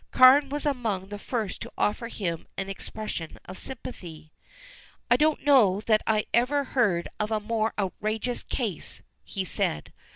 Carne was among the first to offer him an expression of sympathy. "I don't know that I ever heard of a more outrageous case," he said.